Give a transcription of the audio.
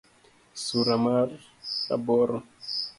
Sura mar aboro